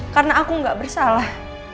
karena aku gak bersalah